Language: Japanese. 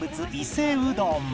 伊勢うどん。